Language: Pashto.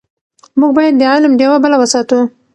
موږ باید د علم ډېوه بله وساتو.